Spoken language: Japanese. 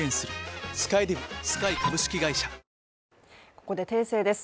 ここで訂正です。